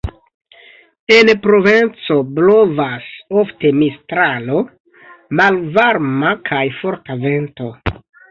En Provenco blovas ofte Mistralo, malvarma kaj forta vento.